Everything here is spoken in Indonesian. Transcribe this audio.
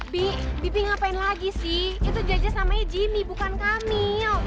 bi bibi ngapain lagi sih itu judges namanya jimmy bukan kamil